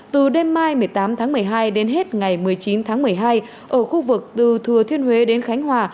từ đêm mai một mươi tám tháng một mươi hai đến hết ngày một mươi chín tháng một mươi hai ở khu vực từ thừa thiên huế đến khánh hòa